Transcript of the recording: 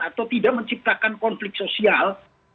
atau tidak menciptakan konflik sosial